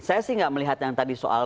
saya sih nggak melihat yang tadi soal